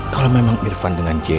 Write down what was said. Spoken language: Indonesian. kalau memang irfan dengan c